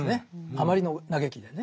あまりの嘆きでね。